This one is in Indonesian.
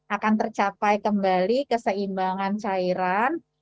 akan tercapai kembali keseimbangan cairan